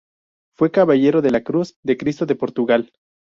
Fue caballero de la cruz de Cristo de Portugal.